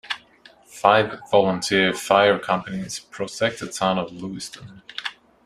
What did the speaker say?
Five volunteer fire companies protect the Town of Lewiston.